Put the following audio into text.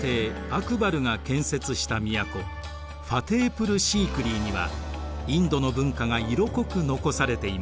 アクバルが建設した都ファテープル・シークリーにはインドの文化が色濃く残されています。